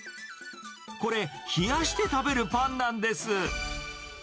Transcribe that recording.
これ、冷やして食べるパンなんです。